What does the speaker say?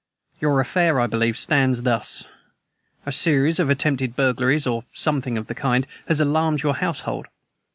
Your affair, I believe, stands thus: A series of attempted burglaries, or something of the kind, has alarmed your household.